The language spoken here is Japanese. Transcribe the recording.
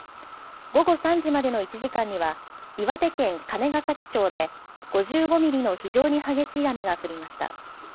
午後３時までの１時間には岩手県金ヶ崎町で５５ミリの非常に激しい雨が降りました。